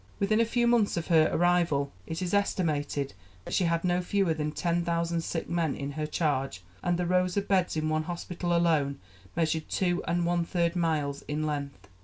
Within a few months of her arrival it is estimated that she had no fewer than ten thousand sick men in her charge, and the rows of beds in one hospital alone measured two and one third miles in length.